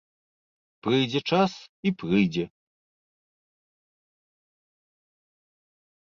Прыйдзе час і прыйдзе.